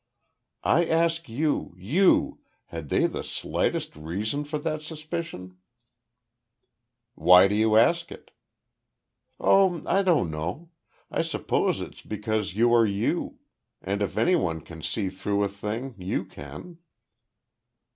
"I ask you you had they the slightest reason for that suspicion?" "Why do you ask it?" "Oh, I don't know. I suppose it's because you are you; and if any one can see through a thing, you can."